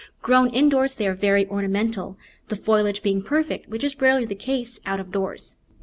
Grown indoors they are very ornamental, the foliage being perfect, which is rarely the case out of doors.